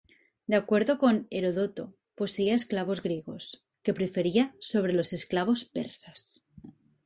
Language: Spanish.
De acuerdo con Herodoto, poseía esclavos griegos, que prefería sobre los esclavos persas.